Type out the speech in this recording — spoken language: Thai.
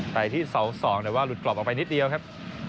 ไปที่เสา๒แต่ว่าหลุดกรอบออกไปนิดเดียวครับ